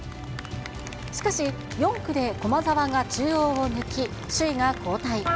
しかし、４区で駒澤が中央を抜き、首位が交代。